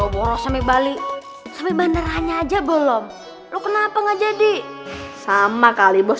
bono semi bali proper runner hanya aja bolam lu kenapa nggak jadi sama kali bos